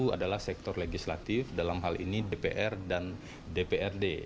itu adalah sektor legislatif dalam hal ini dpr dan dprd